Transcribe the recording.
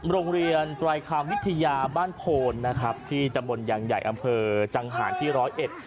โรงเรียนไตรคามวิทยาบ้านโพนนะครับที่ตำบลยางใหญ่อำเภอจังหารที่ร้อยเอ็ด